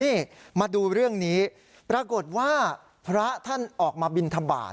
นี่มาดูเรื่องนี้ปรากฏว่าพระท่านออกมาบินทบาท